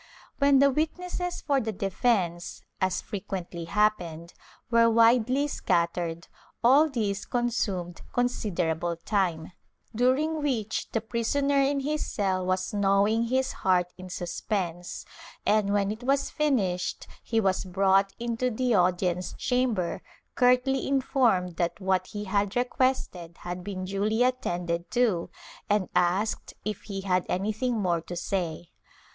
When the witnesses for the defence, as frequently happened, were widely scattered, all this consumed considerable time, during which the prisoner in his cell was gnawing his heart in suspense, and when it was finished he was brought into the audience chamber, curtly informed that what he had requested had been duly attended to, and asked if he had anything more to say.